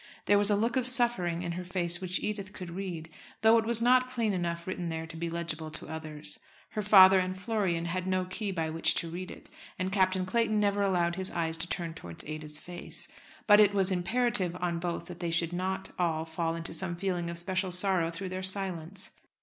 There was a look of suffering in her face which Edith could read, though it was not plain enough written there to be legible to others. Her father and Florian had no key by which to read it, and Captain Clayton never allowed his eyes to turn towards Ada's face. But it was imperative on both that they should not all fall into some feeling of special sorrow through their silence.